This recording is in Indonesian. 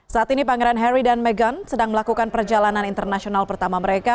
saat ini pangeran harry dan meghan sedang melakukan perjalanan internasional pertama mereka